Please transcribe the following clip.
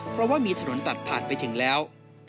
เพราะว่ามีถนนตัดผ่านไปถึงแล้ว